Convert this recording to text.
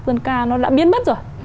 dân ca nó đã biến mất rồi